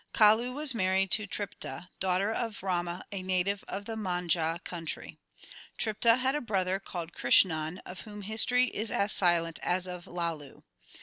Kalu was married to Tripta, daughter of Rama, a native of the Manjha 2 country. Tripta had a brother called Krishan, of whom history is as silent as of Lalu.